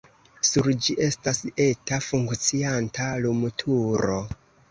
Sur ĝi estas eta funkcianta lumturo.